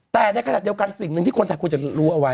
แต่ในขณะเดียวกันสิ่งหนึ่งที่คนไทยควรจะรู้เอาไว้